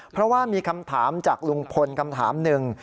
เพราะว่ามีคำถามจากลุงพลคำถามหนึ่ง